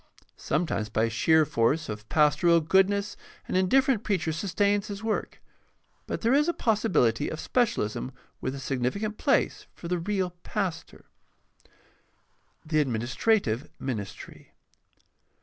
Sometimes by sheer force of pastoral goodness an indifferent preacher sustains his work; but there is a possibility of specialism with a significant place for the real pastor. The administrative ministry.